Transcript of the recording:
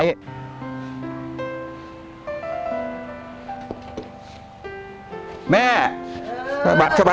โชคชะตาโชคชะตา